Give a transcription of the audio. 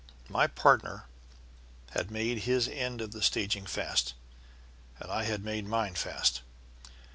My partner had made his end of the staging fast, and I had made mine fast.